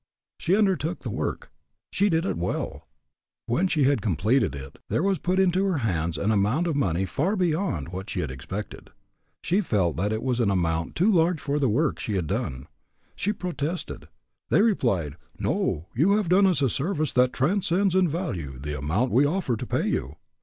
She undertook the work. She did it well. When she had completed it there was put into her hands an amount of money far beyond what she had expected. She felt that it was an amount too large for the work she had done. She protested. They replied, "No; you have done us a service that transcends in value the amount we offer to pay you."